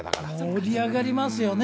盛り上がりますよね。